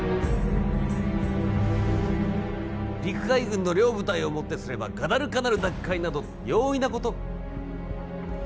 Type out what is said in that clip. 陸海軍の両部隊をもってすればガダルカナル奪回など容易なこと。